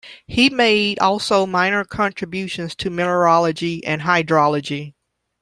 He made also minor contributions to mineralogy and hydrology.